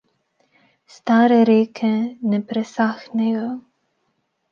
Stare reke ne presahnejo.